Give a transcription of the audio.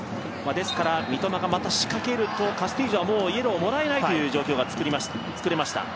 ですから三笘がまた仕掛けるとカスティージョはもうイエローをもらえない状況が作れました。